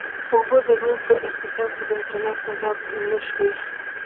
اوبه د روم په اقتصاد کې د انقلاب سبب نه شوې.